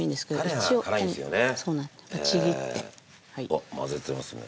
あっ混ぜてますね。